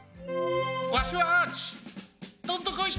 わしはアーチどんとこい！